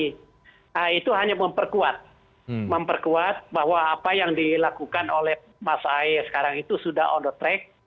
nah itu hanya memperkuat bahwa apa yang dilakukan oleh mas ahy sekarang itu sudah on the track